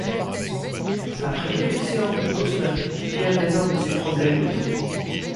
Après quelques séances de boxe olympique, Pierre résorbe ses problèmes aux dos.